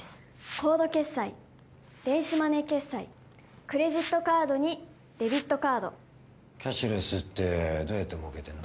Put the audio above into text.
コード決済電子マネー決済クレジットカードにデビットカードキャッシュレスってどうやって儲けてんだ？